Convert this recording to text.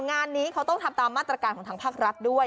งานนี้เขาต้องทำตามมาตรการของทางภาครัฐด้วย